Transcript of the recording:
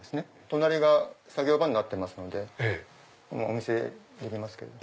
隣が作業場になってますので今お見せできますけど。